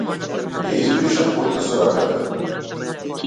Ја избриша потта со раката.